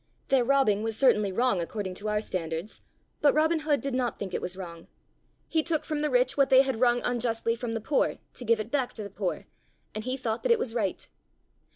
Their robbing was certainly wrong according to our standards, but Robin Hood did not think it was wrong. He took from the rich what they had wrung unjustly from the poor to give it back to the poor, and he thought that it was right.